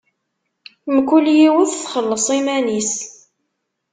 Mkul yiwet txelleṣ iman-is.